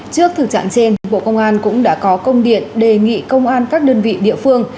trước thực trạng trên bộ công an cũng đã có công điện đề nghị công an các đơn vị địa phương